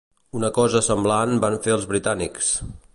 Una cosa semblant van fer els britànics